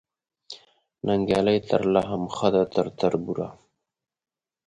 ننګیالۍ ترله هم ښه ده تر تربوره